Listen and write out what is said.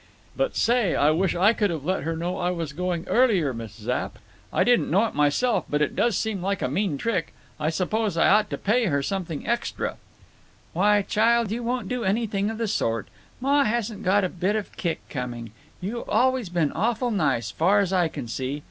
"But, say, I wish I could 've let her know I was going earlier, Miss Zapp. I didn't know it myself, but it does seem like a mean trick. I s'pose I ought to pay her something extra." "Why, child, you won't do anything of the sort. Ma hasn't got a bit of kick coming. You've always been awful nice, far as I can see."